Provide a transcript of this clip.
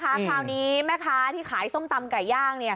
คราวนี้แม่ค้าที่ขายส้มตำไก่ย่าง